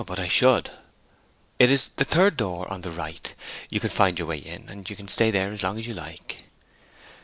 'But I should.' 'It is the third door on the right. You can find your way in, and you can stay there as long as you like.'